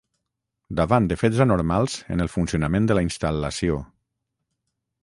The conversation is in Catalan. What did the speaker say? Davant de fets anormals en el funcionament de la instal·lació